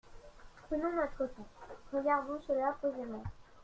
Prenons donc notre temps, regardons cela posément.